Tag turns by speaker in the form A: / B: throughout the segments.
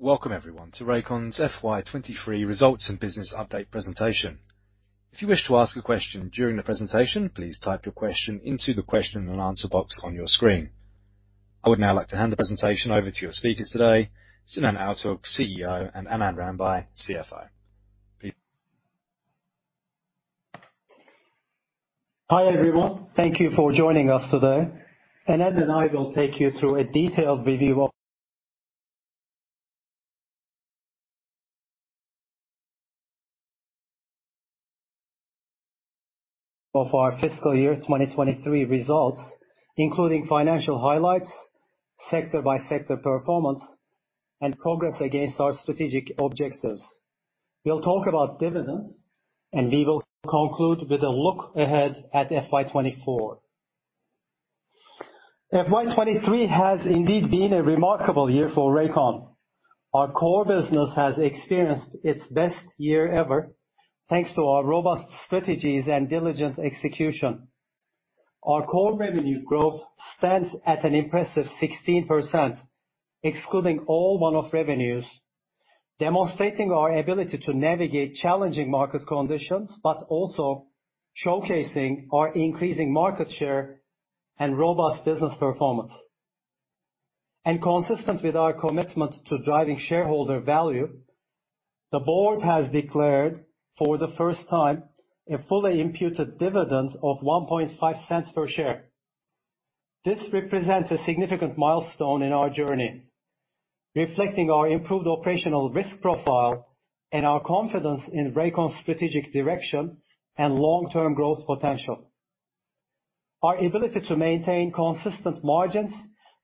A: Welcome everyone to Rakon's FY23 results and business update presentation. If you wish to ask a question during the presentation, please type your question into the question and answer box on your screen. I would now like to hand the presentation over to your speakers today, Sinan Altug, CEO, and Anand Rambhai, CFO.
B: Hi, everyone. Thank you for joining us today. Anand and I will take you through a detailed review of our fiscal year 2023 results, including financial highlights, sector by sector performance and progress against our strategic objectives. We'll talk about dividends. We will conclude with a look ahead at FY 2024. FY 2023 has indeed been a remarkable year for Rakon. Our core business has experienced its best year ever, thanks to our robust strategies and diligent execution. Our core revenue growth stands at an impressive 16%, excluding all one-off revenues, demonstrating our ability to navigate challenging market conditions, but also showcasing our increasing market share and robust business performance. Consistent with our commitment to driving shareholder value, the board has declared, for the first time, a fully imputed dividend of 0.015 per share. This represents a significant milestone in our journey, reflecting our improved operational risk profile and our confidence in Rakon's strategic direction and long-term growth potential. Our ability to maintain consistent margins,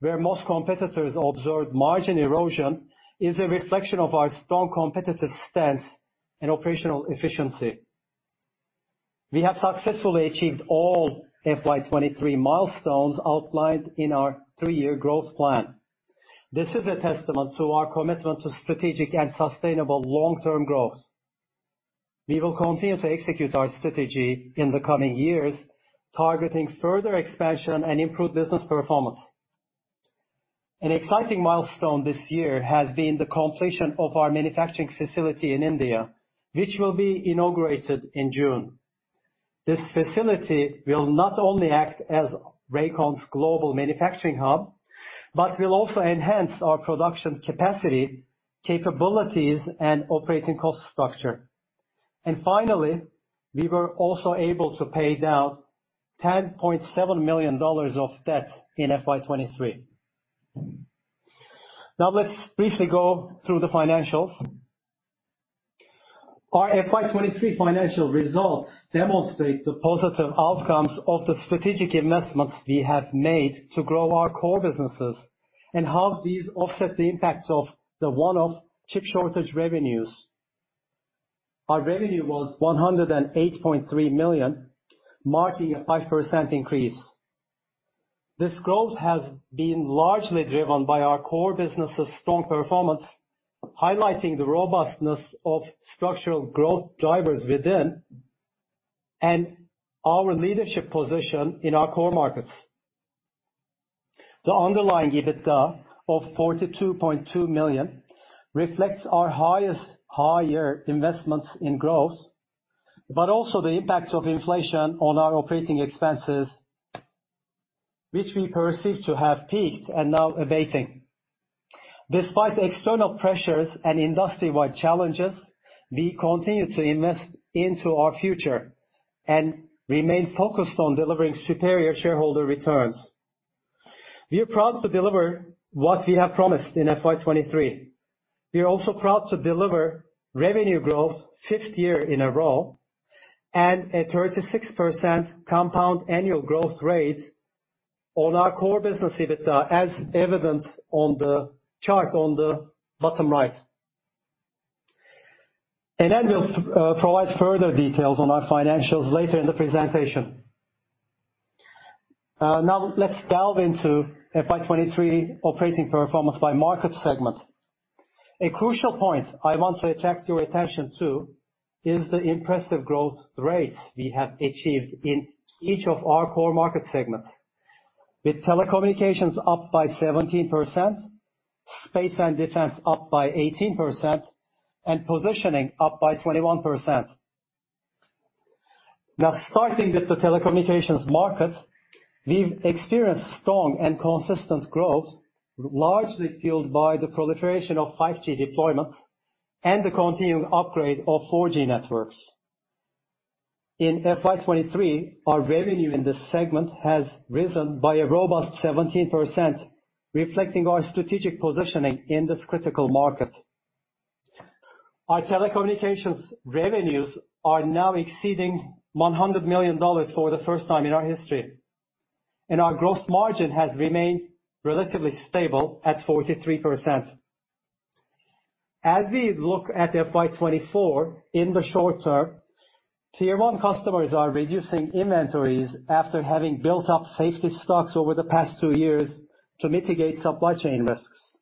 B: where most competitors observed margin erosion, is a reflection of our strong competitive stance in operational efficiency. We have successfully achieved all FY 23 milestones outlined in our three-year growth plan. This is a testament to our commitment to strategic and sustainable long-term growth. We will continue to execute our strategy in the coming years, targeting further expansion and improved business performance. An exciting milestone this year has been the completion of our manufacturing facility in India, which will be inaugurated in June. This facility will not only act as Rakon's global manufacturing hub, but will also enhance our production capacity, capabilities, and operating cost structure. Finally, we were also able to pay down 10.7 million dollars of debt in FY23. Let's briefly go through the financials. Our FY23 financial results demonstrate the positive outcomes of the strategic investments we have made to grow our core businesses and how these offset the impacts of the one-off chip shortage revenues. Our revenue was 108.3 million, marking a 5% increase. This growth has been largely driven by our core business' strong performance, highlighting the robustness of structural growth drivers within and our leadership position in our core markets. The underlying EBITDA of 42.2 million reflects our highest higher investments in growth, but also the impact of inflation on our operating expenses, which we perceive to have peaked and now abating. Despite external pressures and industry-wide challenges, we continue to invest into our future and remain focused on delivering superior shareholder returns. We are proud to deliver what we have promised in FY 23. We are also proud to deliver revenue growth 5th year in a row and a 36% compound annual growth rate on our core business EBITDA, as evidenced on the chart on the bottom right. Then we'll provide further details on our financials later in the presentation. Now let's delve into FY 23 operating performance by market segment. A crucial point I want to attract your attention to is the impressive growth rates we have achieved in each of our core market segments. With telecommunications up by 17%, space and defense up by 18%, and positioning up by 21%. Starting with the telecommunications market, we've experienced strong and consistent growth, largely fueled by the proliferation of 5G deployments and the continued upgrade of 4G networks. In FY 2023, our revenue in this segment has risen by a robust 17%, reflecting our strategic positioning in this critical market. Our telecommunications revenues are now exceeding 100 million dollars for the first time in our history. Our gross margin has remained relatively stable at 43%. As we look at FY 2024 in the short term, tier one customers are reducing inventories after having built up safety stocks over the past two years to mitigate supply chain risks.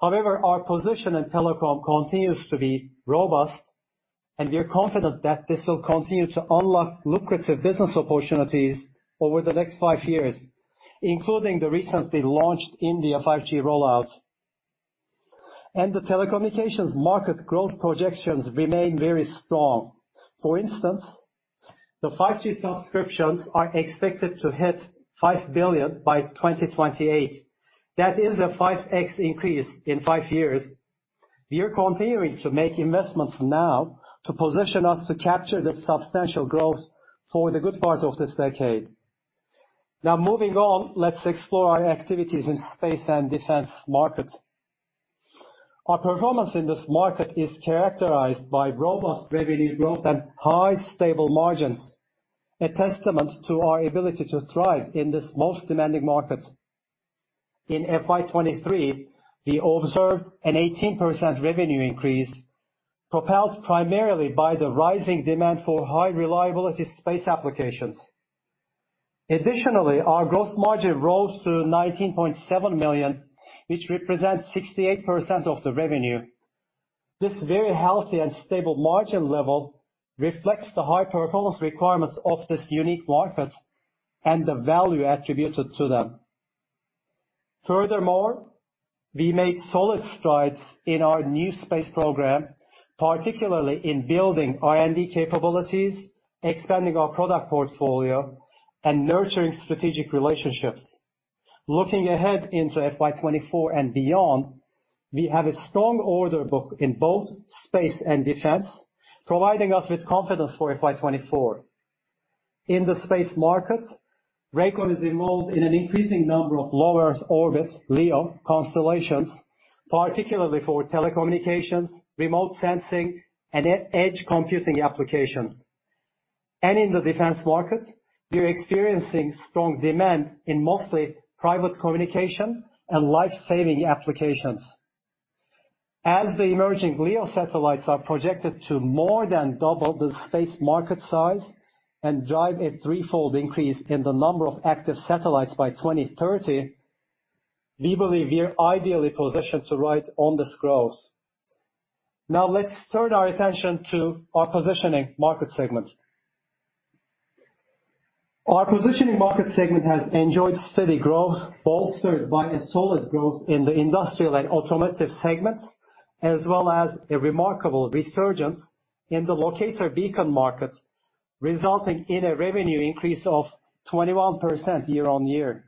B: However, our position in telecom continues to be robust. We are confident that this will continue to unlock lucrative business opportunities over the next five years, including the recently launched India 5G rollout. The telecommunications market growth projections remain very strong. For instance, the 5G subscriptions are expected to hit 5 billion by 2028. That is a 5x increase in five years. We are continuing to make investments now to position us to capture the substantial growth for the good part of this decade. Moving on, let's explore our activities in space and defense markets. Our performance in this market is characterized by robust revenue growth and high stable margins, a testament to our ability to thrive in this most demanding market. In FY23, we observed an 18% revenue increase, propelled primarily by the rising demand for high reliability space applications. Additionally, our gross margin rose to 19.7 million, which represents 68% of the revenue. This very healthy and stable margin level reflects the high-performance requirements of this unique market and the value attributed to them. Furthermore, we made solid strides in our new space program, particularly in building R&D capabilities, expanding our product portfolio, and nurturing strategic relationships. Looking ahead into FY 2024 and beyond, we have a strong order book in both space and defense, providing us with confidence for FY 2024. In the space market, Rakon is involved in an increasing number of low Earth orbit, LEO constellations, particularly for telecommunications, remote sensing, and edge computing applications. In the defense market, we are experiencing strong demand in mostly private communication and life-saving applications. As the emerging LEO satellites are projected to more than double the space market size and drive a threefold increase in the number of active satellites by 2030, we believe we are ideally positioned to ride on this growth. Let's turn our attention to our positioning market segment. Our positioning market segment has enjoyed steady growth, bolstered by a solid growth in the industrial and automotive segments, as well as a remarkable resurgence in the locator beacon market, resulting in a revenue increase of 21% year-over-year.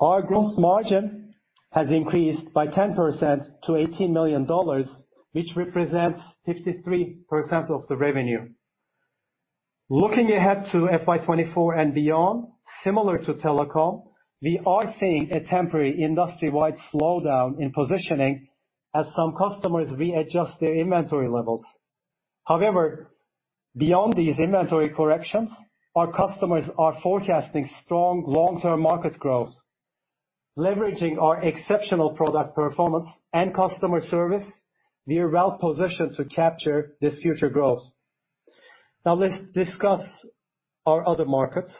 B: Our gross margin has increased by 10% to 18 million dollars, which represents 53% of the revenue. Looking ahead to FY 2024 and beyond, similar to telecom, we are seeing a temporary industry-wide slowdown in positioning as some customers readjust their inventory levels. Beyond these inventory corrections, our customers are forecasting strong long-term market growth. Leveraging our exceptional product performance and customer service, we are well positioned to capture this future growth. Now let's discuss our other markets.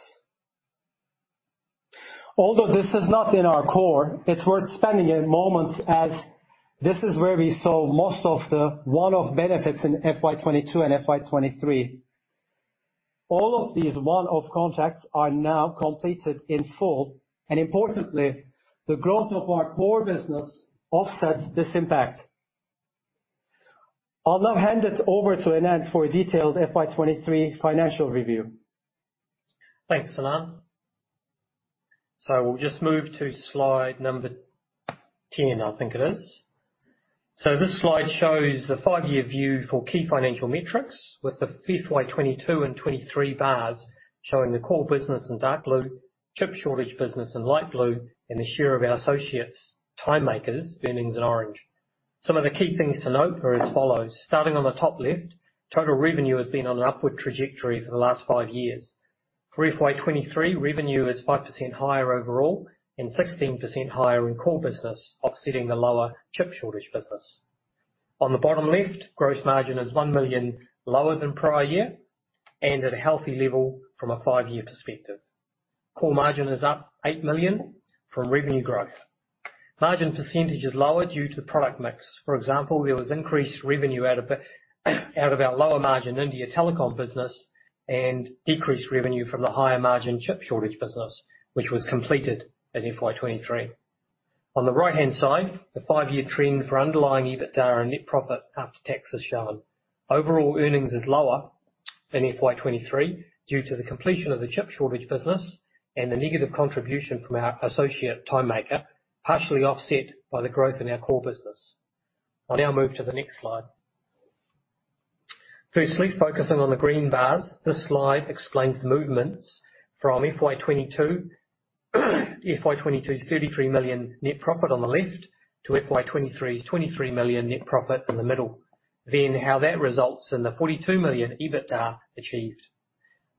B: Although this is not in our core, it's worth spending a moment as this is where we saw most of the one-off benefits in FY 2022 and FY 2023. All of these one-off contracts are now completed in full, and importantly, the growth of our core business offsets this impact. I'll now hand it over to Anand for a detailed FY 2023 financial review.
C: Thanks, Sinan. We'll just move to slide number 10, I think it is. This slide shows the five-year view for key financial metrics, with the FY 2022 and 2023 bars showing the core business in dark blue, chip shortage business in light blue, and the share of our associates, Timemaker, earnings in orange. Some of the key things to note are as follows. Starting on the top left, total revenue has been on an upward trajectory for the last five years. For FY 2023, revenue is 5% higher overall and 16% higher in core business, offsetting the lower chip shortage business. On the bottom left, gross margin is 1 million lower than prior year and at a healthy level from a five-year perspective. Core margin is up 8 million from revenue growth. Margin percentage is lower due to product mix. For example, there was increased revenue out of our lower margin India telecom business and decreased revenue from the higher margin chip shortage business, which was completed in FY23. On the right-hand side, the five-year trend for underlying EBITDA and net profit after tax is shown. Overall earnings is lower in FY23 due to the completion of the chip shortage business and the negative contribution from our associate, Timemaker, partially offset by the growth in our core business. I'll now move to the next slide. Firstly, focusing on the green bars, this slide explains the movements from FY22's 33 million net profit on the left to FY23's 23 million net profit in the middle. How that results in the 42 million EBITDA achieved.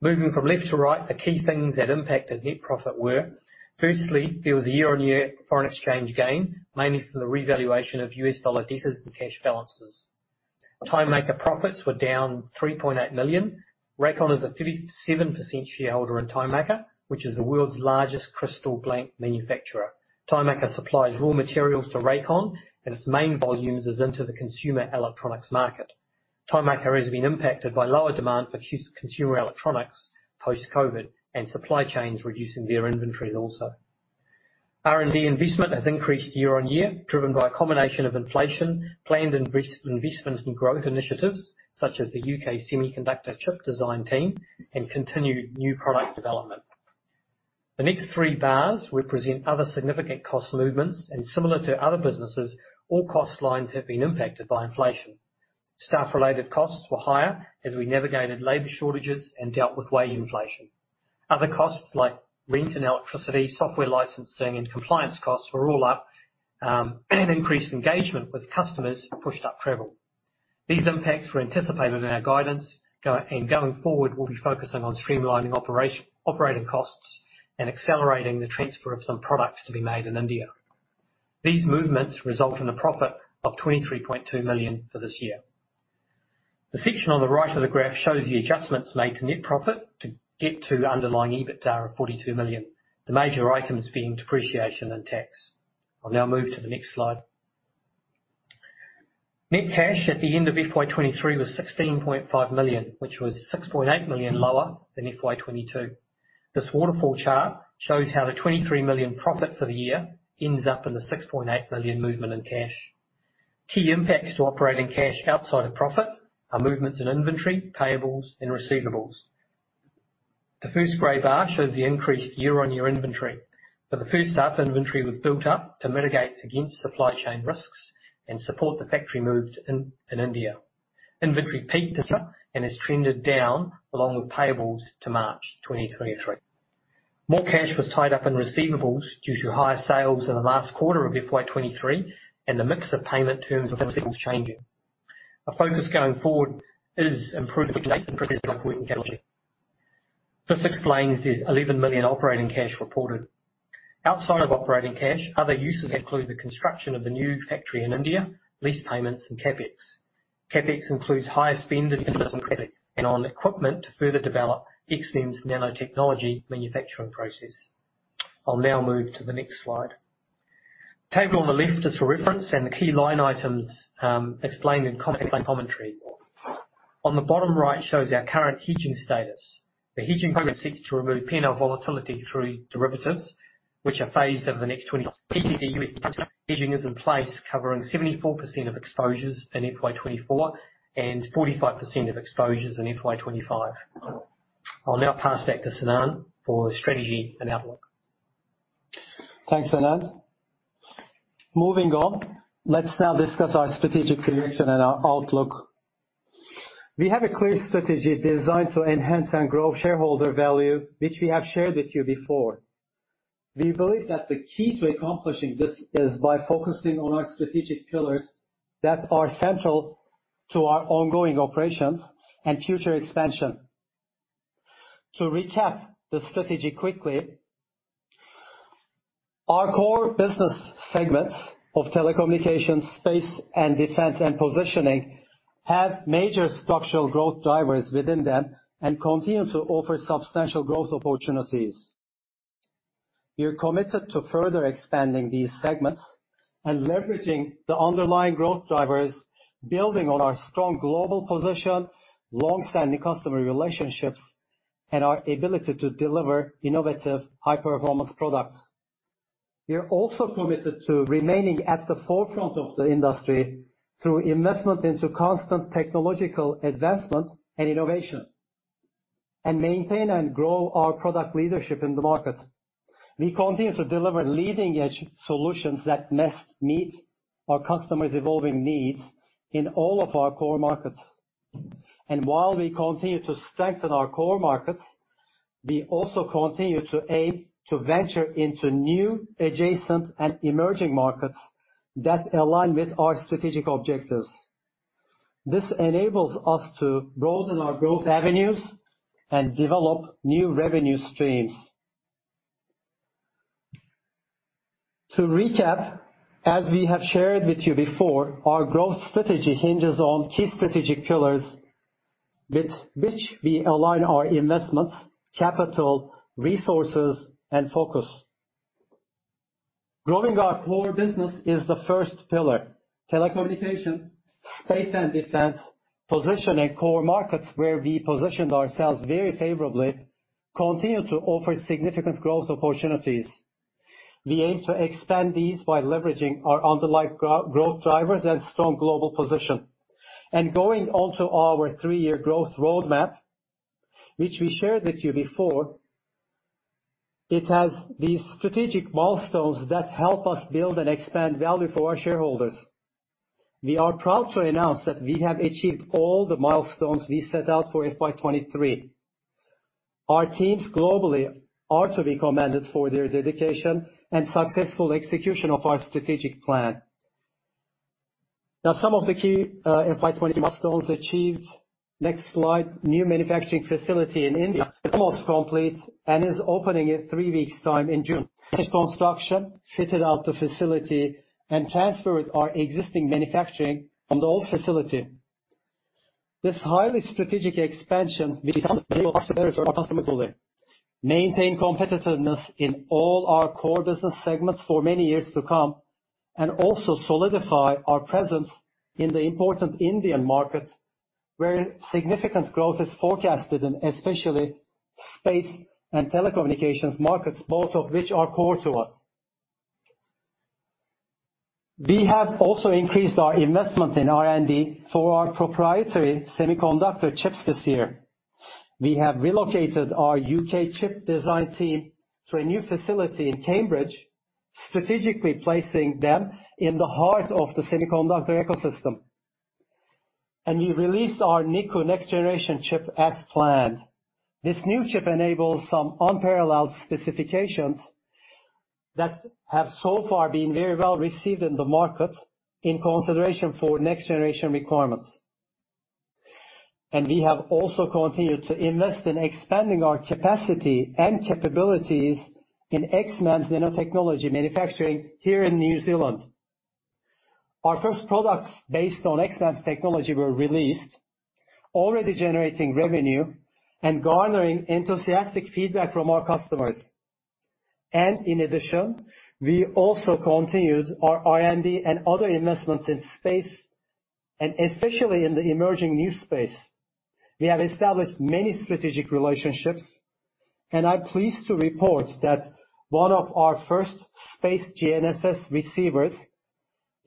C: Moving from left to right, the key things that impacted net profit were, firstly, there was a year-on-year foreign exchange gain, mainly from the revaluation of US dollar debtors and cash balances. Timemaker profits were down 3.8 million. Rakon is a 37% shareholder in Timemaker, which is the world's largest crystal blank manufacturer. Timemaker supplies raw materials to Rakon, its main volumes is into the consumer electronics market. Timemaker has been impacted by lower demand for consumer electronics post-COVID supply chains reducing their inventories also. R&D investment has increased year-on-year, driven by a combination of inflation, planned investments and growth initiatives such as the U.K. semiconductor chip design team and continued new product development. The next three bars represent other significant cost movements, similar to other businesses, all cost lines have been impacted by inflation. Staff-related costs were higher as we navigated labor shortages and dealt with wage inflation. Other costs like rent and electricity, software licensing and compliance costs were all up, and increased engagement with customers pushed up travel. These impacts were anticipated in our guidance. Going forward, we'll be focusing on streamlining operating costs and accelerating the transfer of some products to be made in India. These movements result in a profit of 23.2 million for this year. The section on the right of the graph shows the adjustments made to net profit to get to underlying EBITDA of 42 million, the major items being depreciation and tax. I'll now move to the next slide. Net cash at the end of FY 23 was 16.5 million, which was 6.8 million lower than FY 22. This waterfall chart shows how the 23 million profit for the year ends up in the 6.8 million movement in cash. Key impacts to operating cash outside of profit are movements in inventory, payables and receivables. The first gray bar shows the increased year-on-year inventory. For the first half, inventory was built up to mitigate against supply chain risks and support the factory moves in India. Inventory peaked this year and has trended down along with payables to March 2023. More cash was tied up in receivables due to higher sales in the last quarter of FY 2023 and the mix of payment terms of receivables changing. Our focus going forward is improving. Thanks, Anand. Moving on, let's now discuss our strategic direction and our outlook. We have a clear strategy designed to enhance and grow shareholder value, which we have shared with you before. We believe that the key to accomplishing this is by focusing on our strategic pillars that are central to our ongoing operations and future expansion. To recap the strategy quickly, our core business segments of telecommunications, space and defense and positioning have major structural growth drivers within them and continue to offer substantial growth opportunities. We are committed to further expanding these segments and leveraging the underlying growth drivers, building on our strong global position, long-standing customer relationships, and our ability to deliver innovative, high-performance products. We are also committed to remaining at the forefront of the industry through investment into constant technological advancement and innovation, and maintain and grow our product leadership in the market. We continue to deliver leading-edge solutions that best meet our customers' evolving needs in all of our core markets. While we continue to strengthen our core markets, we also continue to aim to venture into new adjacent and emerging markets that align with our strategic objectives. This enables us to broaden our growth avenues and develop new revenue streams. To recap, as we have shared with you before, our growth strategy hinges on key strategic pillars with which we align our investments, capital, resources, and focus. Growing our core business is the first pillar. Telecommunications, space and defense position in core markets where we positioned ourselves very favorably continue to offer significant growth opportunities. We aim to expand these by leveraging our underlying growth drivers and strong global position. Going on to our three-year growth roadmap, which we shared with you before, it has these strategic milestones that help us build and expand value for our shareholders. We are proud to announce that we have achieved all the milestones we set out for FY23. Our teams globally are to be commended for their dedication and successful execution of our strategic plan. Now, some of the key FY23 milestones achieved. Next slide. New manufacturing facility in India is almost complete and is opening in three weeks time in June. Construction fitted out the facility and transferred our existing manufacturing from the old facility
B: This highly strategic expansion will be something maintain competitiveness in all our core business segments for many years to come, and also solidify our presence in the important Indian market, where significant growth is forecasted in especially space and telecommunications markets, both of which are core to us. We have also increased our investment in R&D for our proprietary semiconductor chips this year. We have relocated our U.K. chip design team to a new facility in Cambridge, strategically placing them in the heart of the semiconductor ecosystem. We released our Niku next generation chip as planned. This new chip enables some unparalleled specifications that have so far been very well received in the market in consideration for next generation requirements. We have also continued to invest in expanding our capacity and capabilities in XMEMS's nanotechnology manufacturing here in New Zealand. Our first products based on XMEMS's technology were released, already generating revenue and garnering enthusiastic feedback from our customers. In addition, we also continued our R&D and other investments in space, and especially in the emerging new space. We have established many strategic relationships, and I'm pleased to report that one of our first space GNSS receivers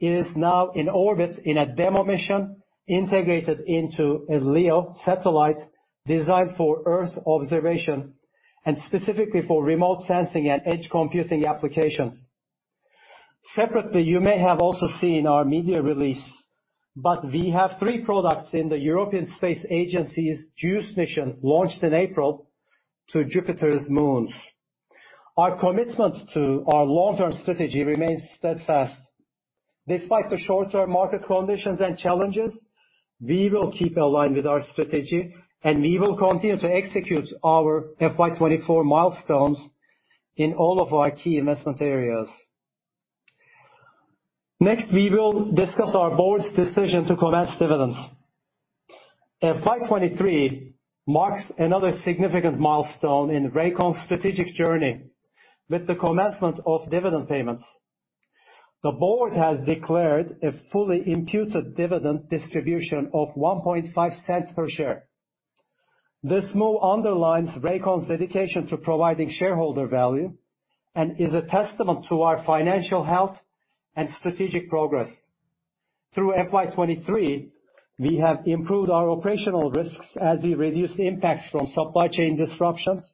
B: is now in orbit in a demo mission integrated into a LEO satellite designed for Earth observation and specifically for remote sensing and edge computing applications. Separately, you may have also seen our media release, we have three products in the European Space Agency's Juice mission launched in April to Jupiter's moons. Our commitment to our long-term strategy remains steadfast. Despite the short-term market conditions and challenges, we will keep aligned with our strategy, and we will continue to execute our FY 2024 milestones in all of our key investment areas. Next, we will discuss our board's decision to commence dividends. FY 2023 marks another significant milestone in Rakon's strategic journey with the commencement of dividend payments. The board has declared a fully imputed dividend distribution of 0.015 per share. This move underlines Rakon's dedication to providing shareholder value and is a testament to our financial health and strategic progress. Through FY 2023, we have improved our operational risks as we reduce impacts from supply chain disruptions,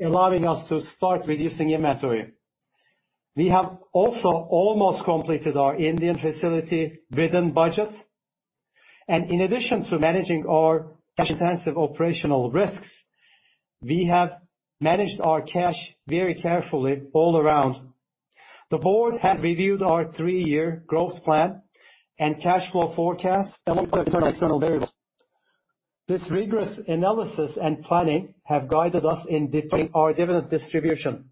B: allowing us to start reducing inventory. We have also almost completed our Indian facility within budget. In addition to managing our cash intensive operational risks, we have managed our cash very carefully all around. The board has reviewed our three-year growth plan and cash flow forecast variables. This rigorous analysis and planning have guided us in determining our dividend distribution.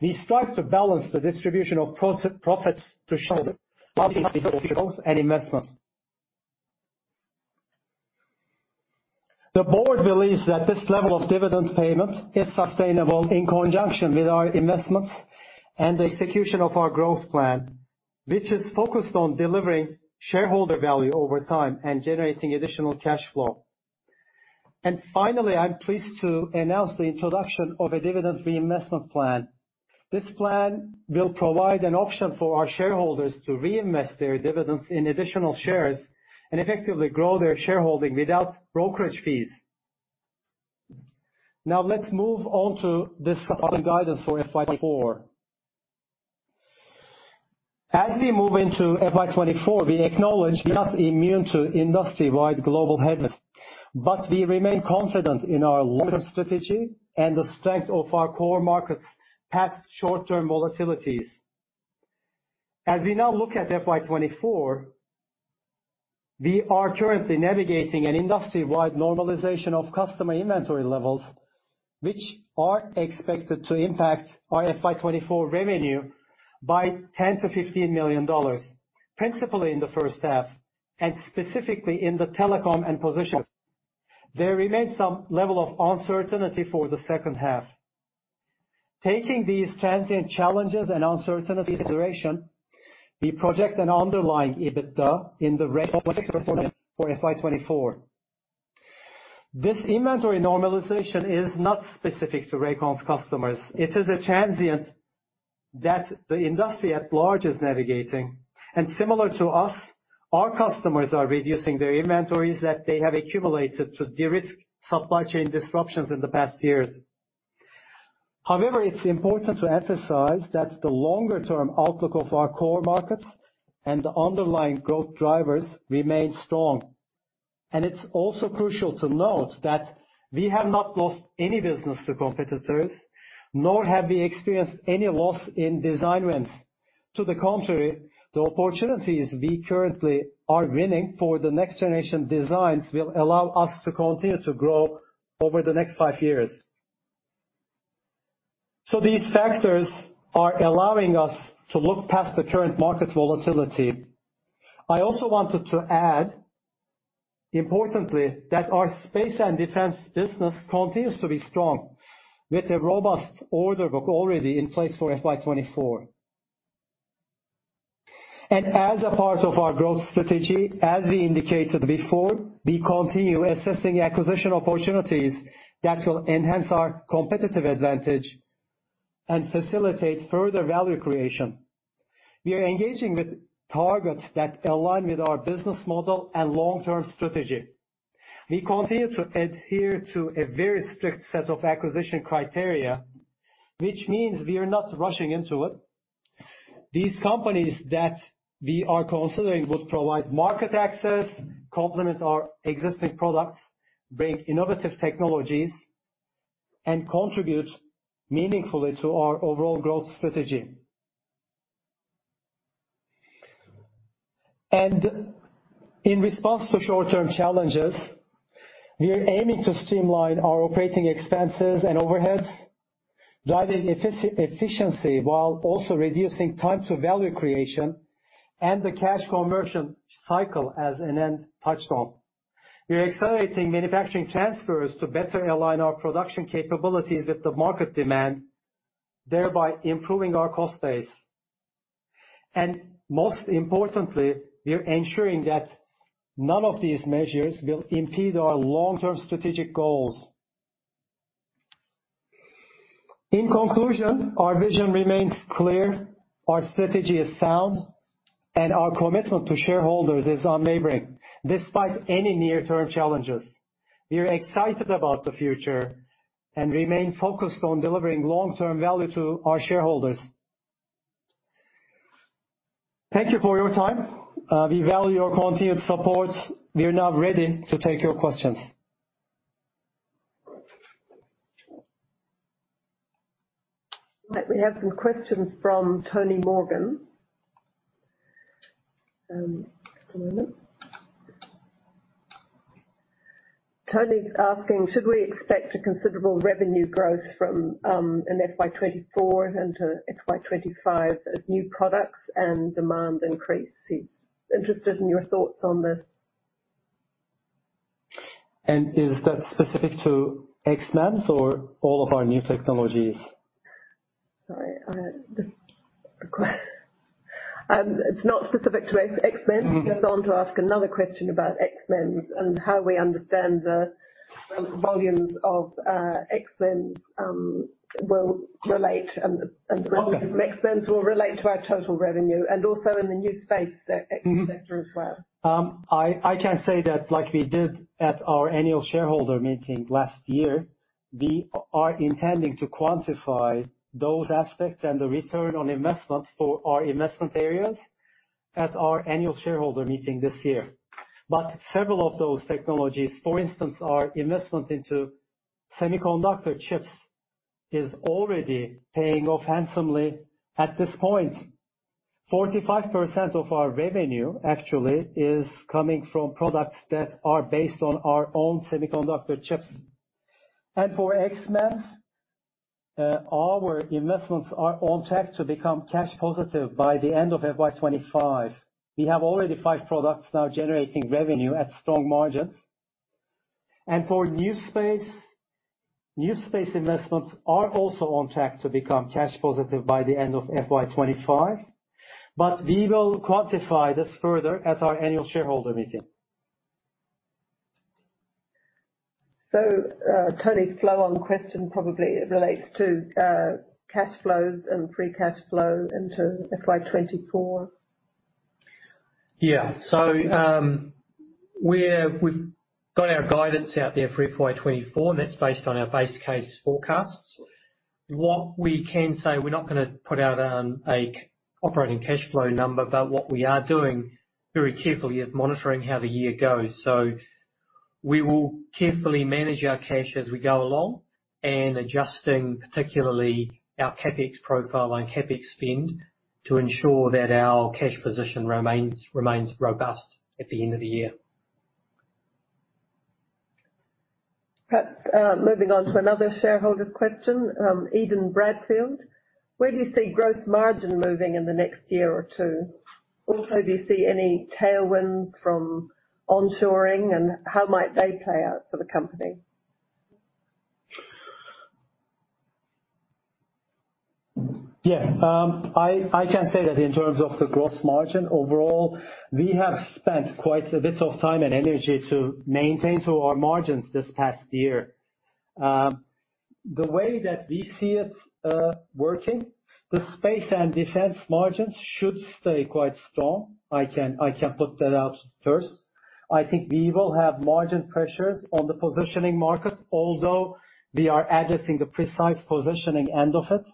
B: We start to balance the distribution of pro-profits to shareholders and investment. The board believes that this level of dividend payment is sustainable in conjunction with our investments and the execution of our growth plan, which is focused on delivering shareholder value over time and generating additional cash flow. Finally, I'm pleased to announce the introduction of a dividend reinvestment plan. This plan will provide an option for our shareholders to reinvest their dividends in additional shares and effectively grow their shareholding without brokerage fees. Now let's move on to discuss our guidance for FY 2024. As we move into FY 2024, we acknowledge we are immune to industry-wide global headwinds, but we remain confident in our long-term strategy and the strength of our core markets past short-term volatilities. As we now look at FY 2024, we are currently navigating an industry-wide normalization of customer inventory levels, which are expected to impact our FY 2024 revenue by 10-5 million dollars, principally in the first half, and specifically in the telecom and positions. There remains some level of uncertainty for the second half. Taking these transient challenges and uncertainty consideration, we project an underlying EBITDA in the for FY 2024. This inventory normalization is not specific to Rakon's customers. It is a transient that the industry at large is navigating. Similar to us, our customers are reducing their inventories that they have accumulated to de-risk supply chain disruptions in the past years. However, it's important to emphasize that the longer-term outlook of our core markets and the underlying growth drivers remain strong. It's also crucial to note that we have not lost any business to competitors, nor have we experienced any loss in design wins. To the contrary, the opportunities we currently are winning for the next generation designs will allow us to continue to grow over the next five years. These factors are allowing us to look past the current market volatility. I also wanted to add importantly that our space and defense business continues to be strong with a robust order book already in place for FY 2024. As a part of our growth strategy, as we indicated before, we continue assessing acquisition opportunities that will enhance our competitive advantage and facilitate further value creation. We are engaging with targets that align with our business model and long-term strategy. We continue to adhere to a very strict set of acquisition criteria, which means we are not rushing into it. These companies that we are considering would provide market access, complement our existing products, bring innovative technologies, and contribute meaningfully to our overall growth strategy. In response to short-term challenges, we are aiming to streamline our operating expenses and overheads, driving efficiency while also reducing time to value creation and the cash conversion cycle as Anand touched on. We are accelerating manufacturing transfers to better align our production capabilities with the market demand, thereby improving our cost base. Most importantly, we are ensuring that none of these measures will impede our long-term strategic goals. In conclusion, our vision remains clear, our strategy is sound, and our commitment to shareholders is unwavering despite any near-term challenges. We are excited about the future and remain focused on delivering long-term value to our shareholders. Thank you for your time. We value your continued support. We are now ready to take your questions.
D: Right. We have some questions from Tony Morgan. Just a moment. Tony's asking, should we expect a considerable revenue growth from, in FY 2024 into FY 2025 as new products and demand increases? Interested in your thoughts on this.
B: Is that specific to XMEMS or all of our new technologies?
D: It's not specific to XMEMS.
B: Mm-hmm.
D: He goes on to ask another question about XMEMS and how we understand the volumes of XMEMS will relate and the revenue from XMEMS will relate to our total revenue and also in the new space.
B: Mm-hmm.
D: sector as well.
B: I can say that like we did at our annual shareholder meeting last year, we are intending to quantify those aspects and the return on investment for our investment areas at our annual shareholder meeting this year. Several of those technologies, for instance, our investment into semiconductor chips, is already paying off handsomely at this point. 45% of our revenue actually is coming from products that are based on our own semiconductor chips. For XMEMS, our investments are on track to become cash positive by the end of FY 2025. We have already five products now generating revenue at strong margins. For new space, new space investments are also on track to become cash positive by the end of FY 2025, but we will quantify this further at our annual shareholder meeting.
D: Tony, flow on question probably relates to cash flows and free cash flow into FY 2024.
C: Yeah. we've got our guidance out there for FY 2024, and that's based on our base case forecasts. What we can say, we're not gonna put out a operating cash flow number, but what we are doing very carefully is monitoring how the year goes. We will carefully manage our cash as we go along and adjusting particularly our CapEx profile and CapEx spend to ensure that our cash position remains robust at the end of the year.
D: Perhaps, moving on to another shareholder's question, Eden Bradfield, where do you see gross margin moving in the next year or two? Also, do you see any tailwinds from onshoring, and how might they play out for the company?
B: Yeah. I can say that in terms of the gross margin overall, we have spent quite a bit of time and energy to maintain to our margins this past year. The way that we see it working, the space and defense margins should stay quite strong. I can put that out first. I think we will have margin pressures on the positioning markets, although we are addressing the precise positioning end of it.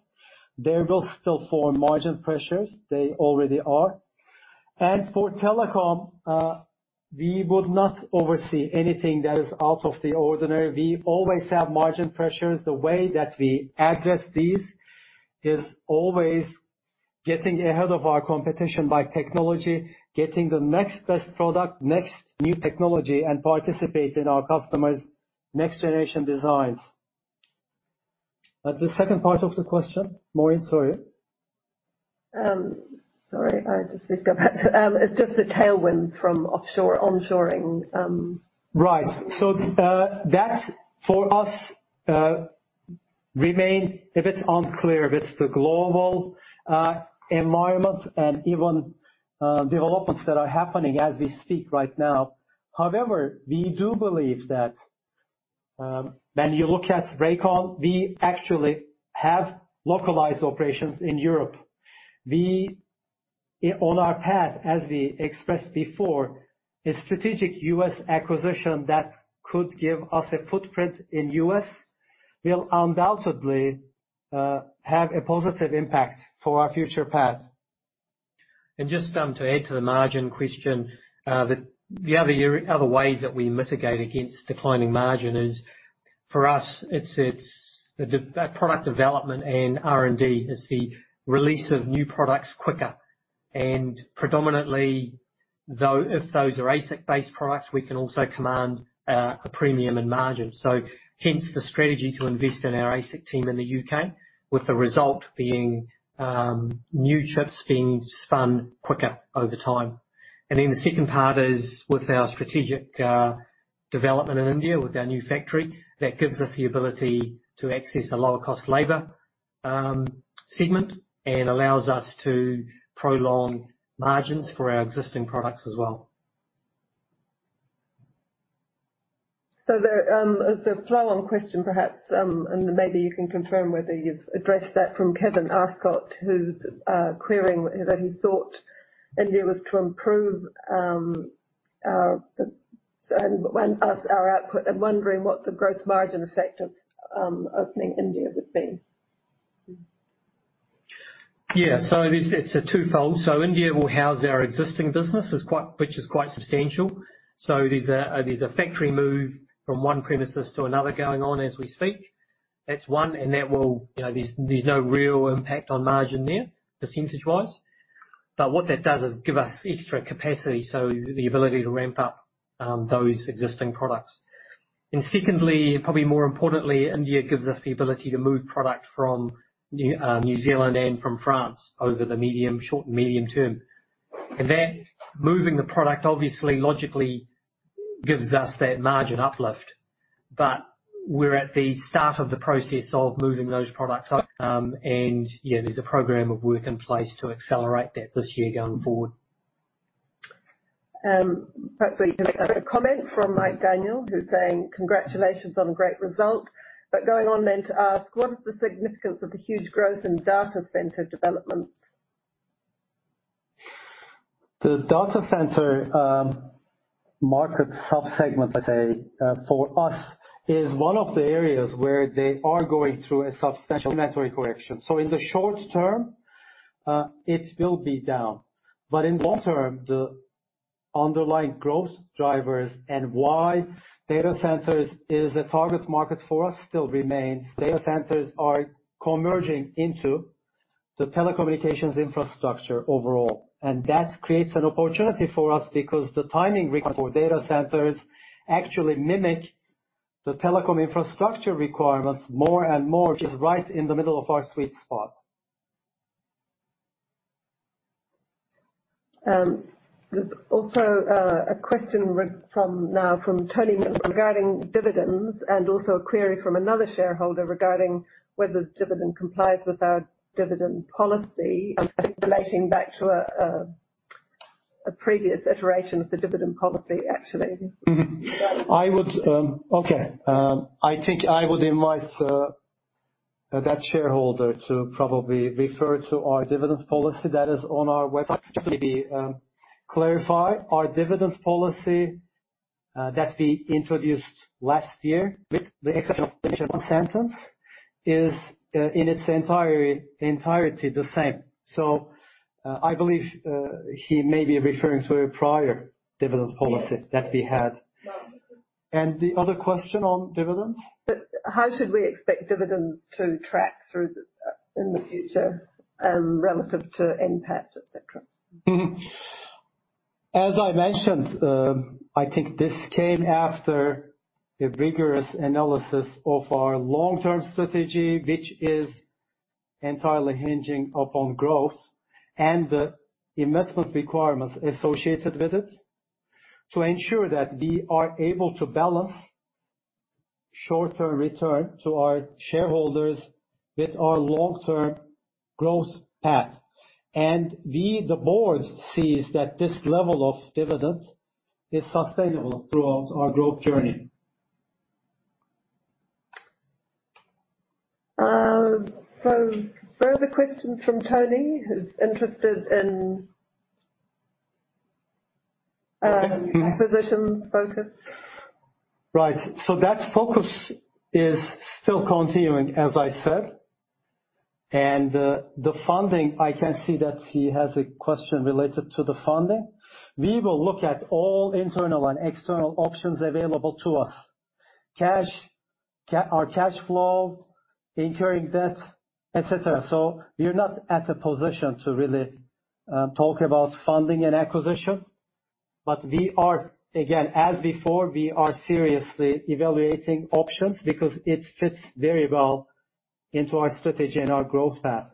B: There will still form margin pressures, they already are. For telecom, we would not oversee anything that is out of the ordinary. We always have margin pressures. The way that we address these is always getting ahead of our competition by technology, getting the next best product, next new technology, and participate in our customers' next generation designs. The second part of the question, Maureen, sorry.
D: sorry, I just need to go back to... it's just the tailwind from onshoring.
B: That, for us, remain a bit unclear if it's the global environment and even developments that are happening as we speak right now. However, we do believe that, when you look at Rakon, we actually have localized operations in Europe. We, on our path, as we expressed before, a strategic US acquisition that could give us a footprint in U.S., will undoubtedly have a positive impact for our future path.
C: Just to add to the margin question, the other ways that we mitigate against declining margin is, for us, it's the product development and R&D. Is the release of new products quicker. Predominantly, though, if those are ASIC-based products, we can also command a premium in margin. Hence the strategy to invest in our ASIC team in the U.K., with the result being new chips being spun quicker over time. Then the second part is, with our strategic development in India with our new factory, that gives us the ability to access a lower cost labor segment, and allows us to prolong margins for our existing products as well.
D: There is a follow-on question perhaps, and maybe you can confirm whether you've addressed that from Kevin Ascott, who's querying that he thought India was to improve us, our output. I'm wondering what the gross margin effect of opening India would be.
C: It's a twofold. India will house our existing business, which is quite substantial. There's a factory move from one premises to another going on as we speak. That's one. You know, there's no real impact on margin there, percentage-wise. What that does is give us extra capacity, so the ability to ramp up those existing products. Secondly, probably more importantly, India gives us the ability to move product from New Zealand and from France over the medium, short and medium term. That, moving the product, obviously, logically gives us that margin uplift. We're at the start of the process of moving those products. There's a program of work in place to accelerate that this year going forward.
D: Perhaps we can make a comment from Mike Daniel, who's saying congratulations on great result. Going on then to ask, what is the significance of the huge growth in data center developments?
B: The data center, market sub-segment, I say, for us is one of the areas where they are going through a substantial inventory correction. In the short term, it will be down. In long term, the underlying growth drivers and why data centers is a target market for us still remains. Data centers are converging into the telecommunications infrastructure overall. That creates an opportunity for us because the timing requirements for data centers actually mimic the telecom infrastructure requirements more and more, just right in the middle of our sweet spot.
D: There's also a question from, now from Tony regarding dividends, and also a query from another shareholder regarding whether the dividend complies with our dividend policy, I think relating back to a previous iteration of the dividend policy, actually.
B: Mm-hmm. I would. Okay. I think I would invite that shareholder to probably refer to our dividends policy that is on our website. Actually, clarify our dividends policy that we introduced last year, with the exception of one sentence, is in its entirety the same. I believe he may be referring to a prior dividend policy that we had. The other question on dividends?
D: How should we expect dividends to track through the in the future, relative to NPAT, et cetera?
B: As I mentioned, I think this came after a rigorous analysis of our long-term strategy, which is entirely hinging upon growth and the investment requirements associated with it, to ensure that we are able to balance short-term return to our shareholders with our long-term growth path. We, the board, sees that this level of dividend is sustainable throughout our growth journey.
D: Further questions from Tony, who's interested in position focus.
B: Right. That focus is still continuing, as I said. The funding, I can see that he has a question related to the funding. We will look at all internal and external options available to us. Cash, our cash flow, incurring debt, et cetera. We're not at a position to really talk about funding an acquisition. We are, again, as before, we are seriously evaluating options because it fits very well into our strategy and our growth path.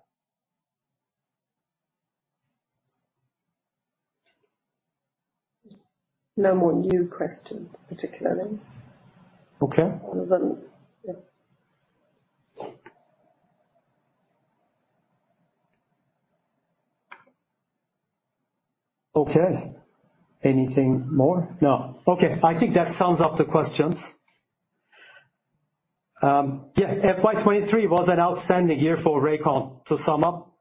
D: No more new questions, particularly.
B: Okay.
D: All of them. Yeah.
B: Okay. Anything more? No. Okay. I think that sums up the questions. Yeah, FY 2023 was an outstanding year for Rakon. To sum up,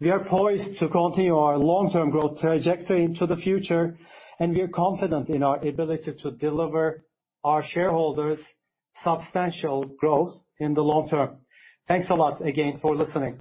B: we are poised to continue our long-term growth trajectory into the future, and we are confident in our ability to deliver our shareholders substantial growth in the long term. Thanks a lot again for listening.